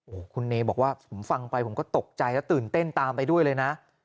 โอ้โหคุณเนบอกว่าผมฟังไปผมก็ตกใจแล้วตื่นเต้นตามไปด้วยเลยนะ